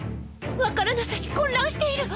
分からなさに混乱しているわ！